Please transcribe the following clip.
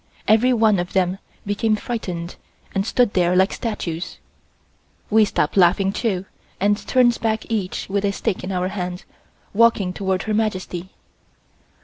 Everyone of them became frightened and stood there like statues. We stopped laughing, too, and turned back each with a stick in our hand, walking toward Her Majesty.